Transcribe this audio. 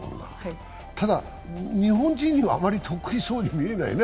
ただ、日本人にはあまり得意そうに見えないね